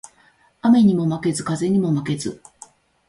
雨ニモ負ケズ、風ニモ負ケズ